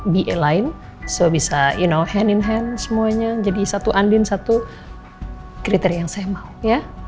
bea lain so bisa e know hand in hand semuanya jadi satu andin satu kriteria yang saya mau ya